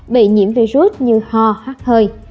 bị nhiễm virus như hò hát hơi